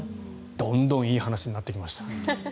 どんどんいい話になってきました。